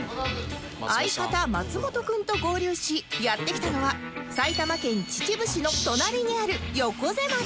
相方松本くんと合流しやって来たのは埼玉県秩父市の隣にある横瀬町